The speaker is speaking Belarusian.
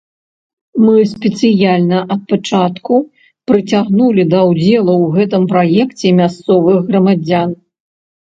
Мы спецыяльна ад пачатку прыцягнулі да ўдзелу ў гэтым праекце мясцовых грамадзян.